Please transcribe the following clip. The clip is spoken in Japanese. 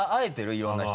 いろんな人に。